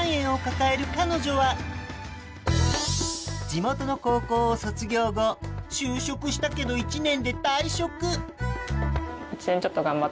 地元の高校を卒業後就職したけど１年で退職！